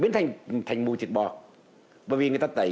liên hệ cho thịt lợn